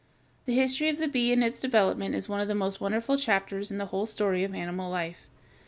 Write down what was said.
The history of the bee and its development is one of the most wonderful chapters in the whole story of animal life.